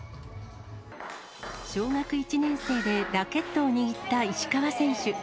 小学１年生でラケットを握った石川選手。